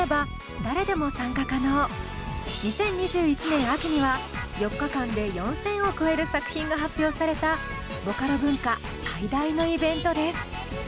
２０２１年秋には４日間で４，０００を超える作品が発表されたボカロ文化最大のイベントです。